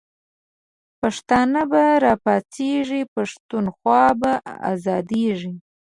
پښتانه به راپاڅیږی، پښتونخوا به آزادیږی